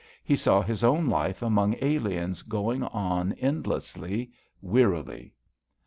He saw his own life among aliens going on endlessly, wearily.